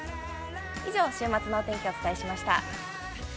以上、週末のお天気をお伝えしました。